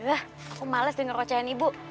aku males denger ocahan ibu